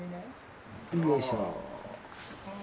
よいしょ！